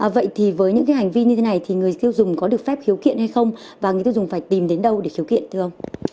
vậy thì với những cái hành vi như thế này thì người tiêu dùng có được phép khiếu kiện hay không và người tiêu dùng phải tìm đến đâu để khiếu kiện thưa ông